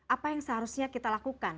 apa yang seharusnya kita lakukan